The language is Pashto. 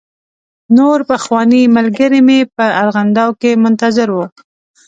نور پخواني ملګري مې په ارغنداو کې منتظر و.